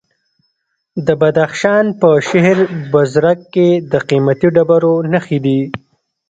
د بدخشان په شهر بزرګ کې د قیمتي ډبرو نښې دي.